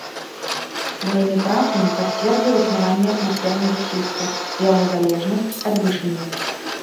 Сваімі працамі пацвердзіў існаванне атмасфернага ціску і яго залежнасць ад вышыні.